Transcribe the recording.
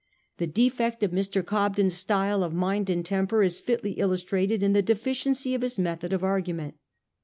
The defect of Mr. Cobden's style of mind and temper is fitly illustrated in the deficiency of his method of argument.